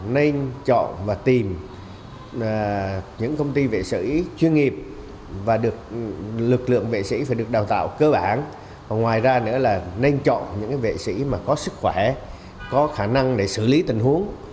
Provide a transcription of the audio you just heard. nên chọn và tìm những công ty vệ sĩ chuyên nghiệp và được lực lượng vệ sĩ phải được đào tạo cơ bản ngoài ra nữa là nên chọn những vệ sĩ mà có sức khỏe có khả năng để xử lý tình huống